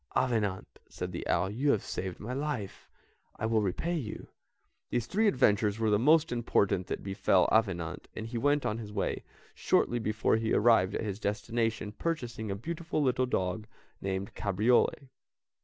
"Avenant," said the owl, "you have saved my life, I will repay you." These three adventures were the most important that befell Avenant, and he went on his way, shortly before he arrived at his destination purchasing a beautiful little dog named Cabriole.